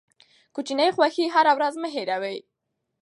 کوچني خوښۍ هره ورځ مه هېروئ.